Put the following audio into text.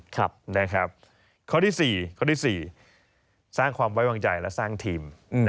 ข้อที่๔ข้อที่๔สร้างความไว้วางใจและสร้างทีม